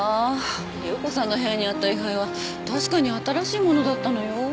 夕子さんの部屋にあった位牌は確かに新しいものだったのよ。